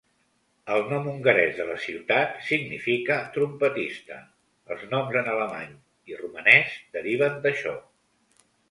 El nom hongarès de la ciutat significa "trompetista"; els noms en alemany i romanès deriven d'això.